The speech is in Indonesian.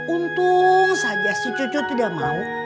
untung saja si cucu tidak mau